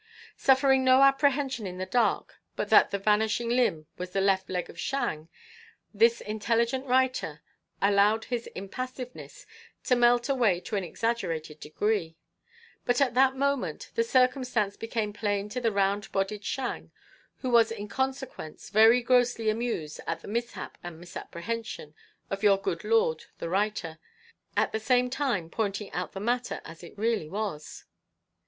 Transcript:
Suffering no apprehension in the dark, but that the vanishing limb was the left leg of Shang, this intelligent writer allowed his impassiveness to melt away to an exaggerated degree; but at that moment the circumstance became plain to the round bodied Shang, who was in consequence very grossly amused at the mishap and misapprehension of your good lord, the writer, at the same time pointing out the matter as it really was.